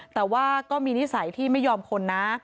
แต่ว่าก็มีนิสัยที่ไม่ยอมคนนะ